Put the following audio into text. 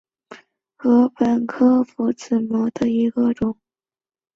单蕊拂子茅为禾本科拂子茅属下的一个种。